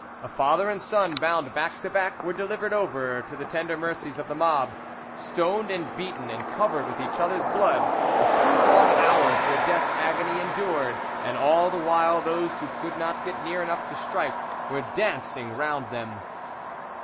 A father and son, bound back to back, were delivered over to the tender mercies of the mob. Stoned and beaten and covered with each other's blood, for two long hours their death agony endured, and all the while those who could not get near enough to strike were dancing round them.